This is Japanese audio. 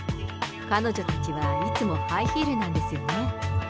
彼女たちはいつもハイヒールなんですよね。